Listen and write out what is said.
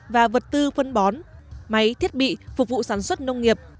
và vật tư phân bón máy thiết bị phục vụ sản xuất nông nghiệp